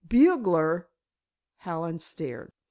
"Bugler!" Hallen stared.